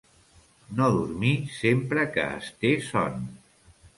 No dormir sempre que es té son.